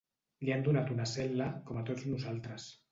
Li han donat una cel·la, com a tots nosaltres.